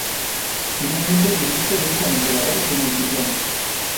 Finalmente, el grupo vence al Emperador en el ciclón.